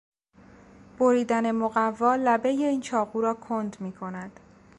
بریدن مقوا لبهی این چاقو را کند میکند.